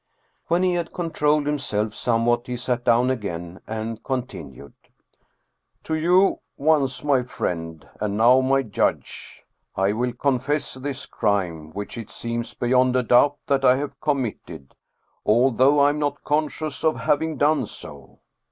When he had controlled himself somewhat he sat down again and continued :" To you, once my friend and now my judge, I will confess this crime, which it seems beyond a doubt that I have committed, although I am not conscious of having done so."